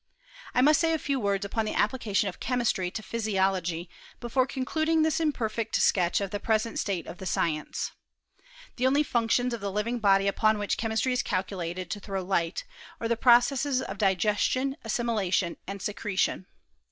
I must say a few words upon the application of chemistry to physiology before concluding this im perfect sketch of the present state of the science. The only functions of the living body upon which chemistry is calculated to throw light, are the pro cesses of digestion, assimilation, and secretion.